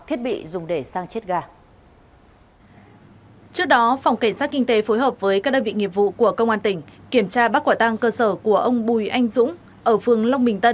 thu giữ ba chiếc điện thoại di động cùng số tiền hơn một mươi hai triệu đồng